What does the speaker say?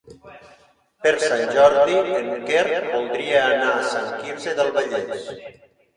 Per Sant Jordi en Quer voldria anar a Sant Quirze del Vallès.